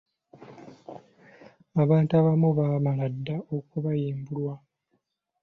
Abantu abamu baamala dda okubayimbulwa.